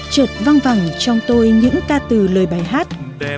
trợt văng vẳng trong tôi những ca từ lời bài hát